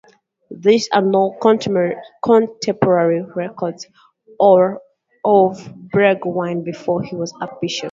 There are no contemporary records of Bregowine before he was archbishop.